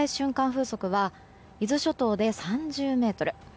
風速は伊豆諸島で３０メートル